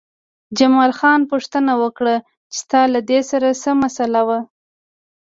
جمال خان پوښتنه وکړه چې ستا له دې سره څه مسئله وه